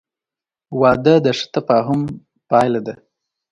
• واده د ښه تفاهم پایله ده.